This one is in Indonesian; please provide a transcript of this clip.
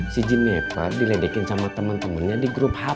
si jennifer diledekin sama temen temennya di grup hp